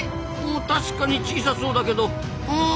確かに小さそうだけどうん